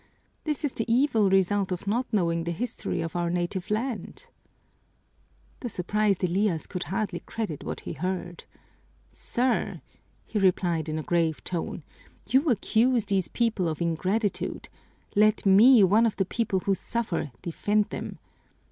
This is the evil result of not knowing the history of our native land!" The surprised Elias could hardly credit what he heard. "Sir," he replied in a grave tone, "you accuse these people of ingratitude; let me, one of the people who suffer, defend them.